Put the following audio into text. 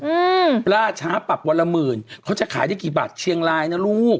อืมล่าช้าปรับวันละหมื่นเขาจะขายได้กี่บาทเชียงรายนะลูก